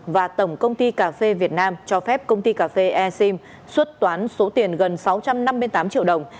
và tổng công ty cà phê việt nam cho phép công ty cà phê e sim xuất toán số tiền gần sáu trăm năm mươi tám triệu đồng